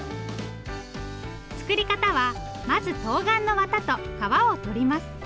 作り方はまずとうがんのわたと皮を取ります。